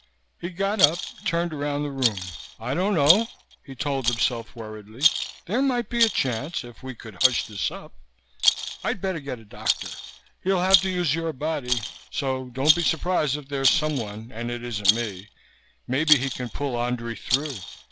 He got up, turned around the room. "I don't know," he told himself worriedly. "There might be a chance if we could hush this up. I'd better get a doctor. He'll have to use your body, so don't be surprised if there's someone and it isn't me. Maybe he can pull Andrei through.